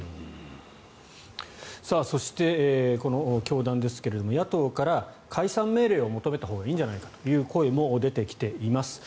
そして、教団ですが野党から解散命令を求めたほうがいいんじゃないかという声も出てきています。